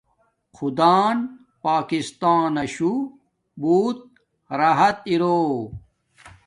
خدان پاکستاناشو بوت راحت ارو